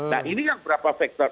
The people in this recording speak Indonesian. nah ini yang beberapa sektor saja